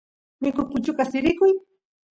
mikus puchukas sirikuy